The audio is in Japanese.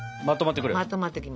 まとまってくる。